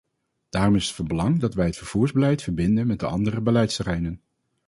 Daarom is het van belang dat wij het vervoersbeleid verbinden met de andere beleidsterreinen.